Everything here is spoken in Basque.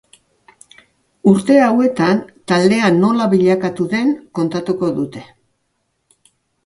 Urte hauetan taldea nola bilakatu den kontatuko dute.